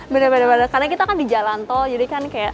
benar benar karena kita kan di jalan tol jadi kan kayak